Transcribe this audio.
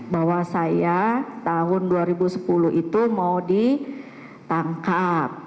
bahwa saya tahun dua ribu sepuluh itu mau ditangkap